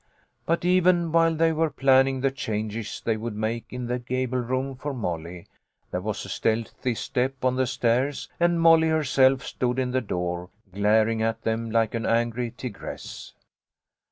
But even while they were planning the changes they would make in the gable room for Molly, there was a stealthy step on the stairs, and Molly herself stood in the door, glaring at them like an angry tigress.